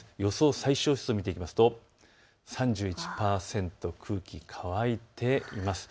最小湿度を見ていきますと３１％、空気、乾いています。